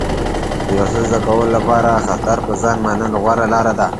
د یو څه زده کولو لپاره خطر په ځان منل غوره لاره ده.